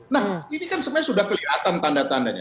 nah ini kan sebenarnya sudah kelihatan tanda tandanya